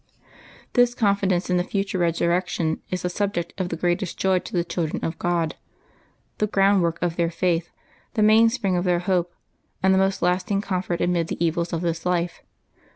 This confidence in the future resurrection is a subject of the greatest joy to the children of God, the groundwork cl their faith, the mainspring of their hope, and the mos"*; last ing comfort amid the evils of this life.